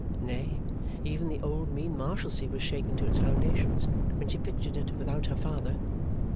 Nay, even the old mean Marshalsea was shaken to its foundations when she pictured it without her father.